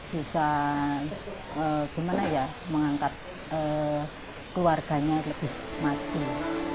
bisa gimana ya mengangkat keluarganya lebih maju